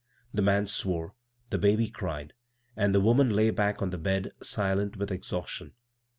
The man swore. The baby cried, and the woman lay back on the bed silent with exhaustion.